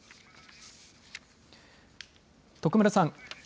徳丸さん。